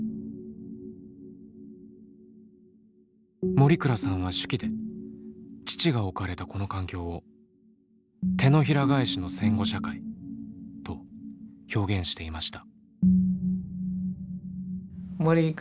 森倉さんは手記で父が置かれたこの環境を「手のひら返しの戦後社会」と表現していました。